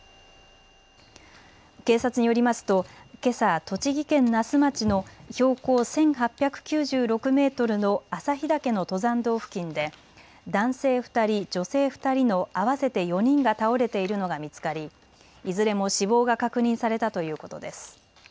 警察によりますとけさ、栃木県那須町の標高１８９６メートルの朝日岳の登山道付近で男性２人、女性２人の合わせて４人が倒れているのが見つかりいずれも死亡が確認されたということです。